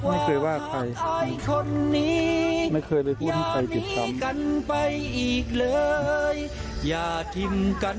ไม่เคยว่าใครไม่เคยไปพูดมันใจติดตาม